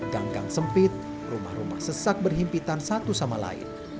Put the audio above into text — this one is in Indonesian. ganggang sempit rumah rumah sesak berhimpitan satu sama lain